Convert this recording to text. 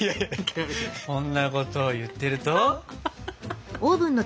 そんなことを言ってると。